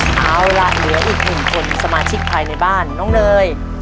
เอาล่ะเหลืออีกหนึ่งคนสมาชิกภายในบ้านน้องเนย